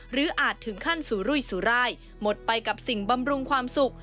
อาจถึงขั้นสุรุยสุรายหมดไปกับสิ่งบำรุงความสุข